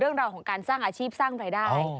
เรื่องราวของการสร้างอาชีพสร้างรายได้